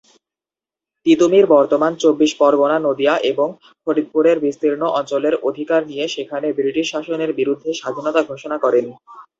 তিতুমীর বর্তমান চব্বিশ পরগনা, নদীয়া এবং ফরিদপুরের বিস্তীর্ণ অঞ্চলের অধিকার নিয়ে সেখানে ব্রিটিশ শাসনের বিরুদ্ধে স্বাধীনতা ঘোষণা করেন।